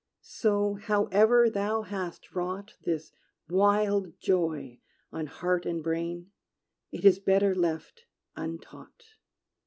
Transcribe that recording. So, however thou hast wrought This wild joy on heart and brain, It is better left untaught.